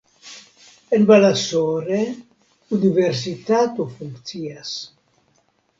En Balasore universitato funkcias.